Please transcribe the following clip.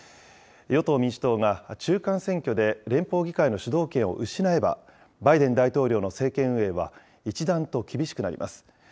与党・民主党が中間選挙で連邦議会の主導権を失えば、バイデン大統領の政権運営は一段と厳しくなります。